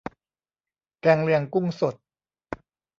แกงเลียงกุ้งสด